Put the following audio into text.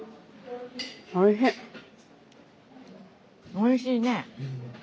おいしいね。